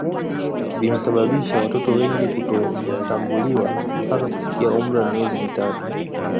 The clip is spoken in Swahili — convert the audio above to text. vimesababisha watoto wengi kutotambuliwa mpaka kufikia umri wa miezi mitatu